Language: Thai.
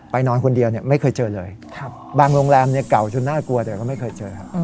นอนคนเดียวไม่เคยเจอเลยบางโรงแรมเนี่ยเก่าจนน่ากลัวแต่ก็ไม่เคยเจอครับ